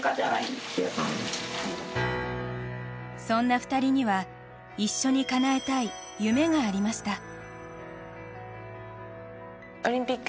そんな２人には、一緒にかなえたい夢がありました。